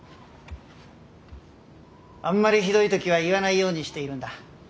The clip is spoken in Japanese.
あんまりひどい時は言わないようにしているんだ。